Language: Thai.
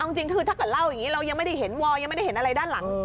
เอาจริงคือถ้าเกิดเล่าอย่างนี้เรายังไม่ได้เห็นวอร์ยังไม่ได้เห็นอะไรด้านหลัง